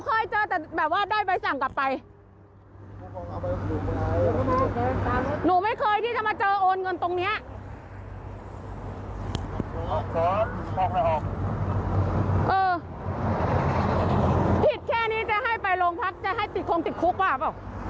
เออผิดแค่นี้จะให้ไปโรงพักจะให้ติดคงติดคุกว่าเปล่า